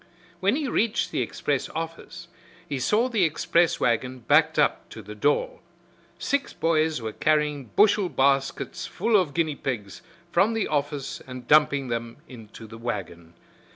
When he reached the express office he saw the express wagon backed up to the door. Six boys were carrying bushel baskets full of guinea pigs from the office and dumping them into the wagon.